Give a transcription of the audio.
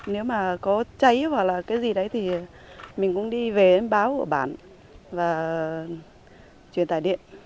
nếu mà có cháy hoặc là cái gì đấy thì mình cũng đi về đến báo ở bản và truyền tải điện